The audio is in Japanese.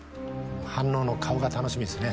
反応の顔が楽しみですね